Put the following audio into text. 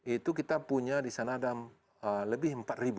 itu kita punya di sana ada lebih empat ribu